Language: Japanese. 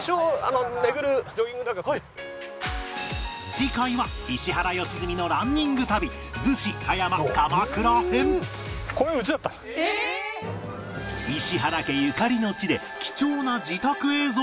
次回は石原良純のランニング旅逗子・葉山・鎌倉編石原家ゆかりの地で貴重な自宅映像も